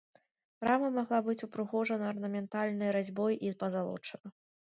Рама магла быць упрыгожана арнаментальнай разьбой і пазалочана.